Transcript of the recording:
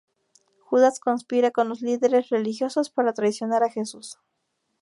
Judas conspira con los líderes religiosos para traicionar a Jesús.